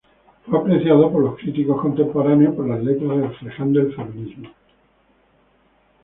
Fue apreciado por los críticos contemporáneos por las letras reflejando el feminismo.